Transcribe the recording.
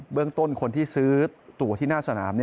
เรื่องต้นคนที่ซื้อตัวที่หน้าสนาม